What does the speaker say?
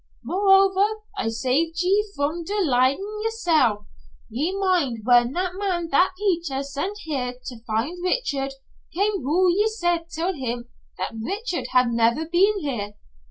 Moreover, I saved ye from dour lyin' yersel'. Ye mind whan that man that Peter sent here to find Richard came, hoo ye said till him that Richard had never been here?